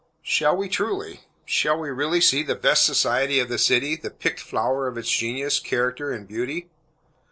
'" Shall we, truly? Shall we really see the "best society of the city," the picked flower of its genius, character and beauty?